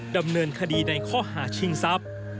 ดำเนินคดีในข้อหาชิงทรัพย์